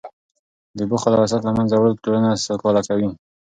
د بخل او حسد له منځه وړل ټولنه سوکاله کوي.